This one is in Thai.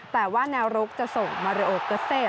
แต่ว่าแนวรุกจะส่งมาริโอเกอร์เซ